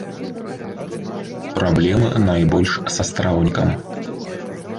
Праблемы найбольш са страўнікам.